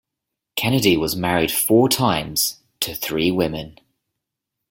Kennedy was married four times, to three women.